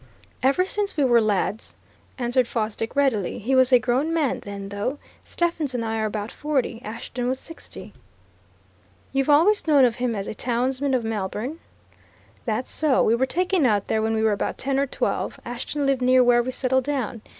"Ever since we were lads," answered Fosdick readily. "He was a grown man, then, though. Stephens and I are about forty Ashton was sixty." "You've always known of him as a townsman of Melbourne?" "That's so. We were taken out there when we were about ten or twelve Ashton lived near where we settled down.